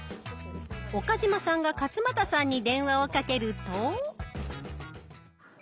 岡嶋さんが勝俣さんに電話をかけると。